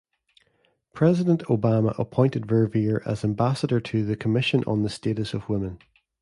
President Obama appointed Verveer as Ambassador to the Commission on the Status of Women.